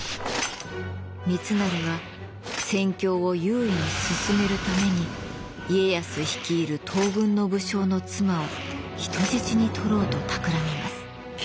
三成は戦況を優位に進めるために家康率いる東軍の武将の妻を人質にとろうとたくらみます。